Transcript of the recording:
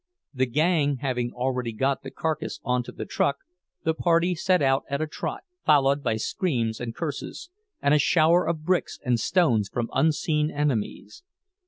The gang having already got the carcass on to the truck, the party set out at a trot, followed by screams and curses, and a shower of bricks and stones from unseen enemies.